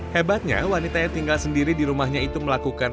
hebatnya wanita yang tinggal sendiri di rumahnya itu melakukan